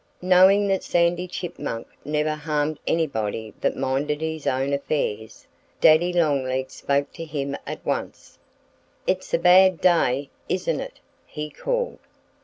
Knowing that Sandy Chipmunk never harmed anybody that minded his own affairs, Daddy Longlegs spoke to him at once. "It's a bad day, isn't it?" he called.